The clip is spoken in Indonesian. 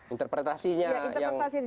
interpretasinya yang berbagai macam